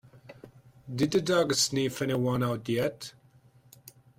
Did the dog sniff anyone out yet?